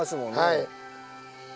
はい。